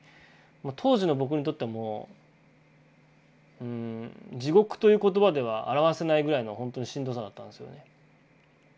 当時の僕にとってはもう地獄という言葉では表せないぐらいのほんとにしんどさだったんですよね。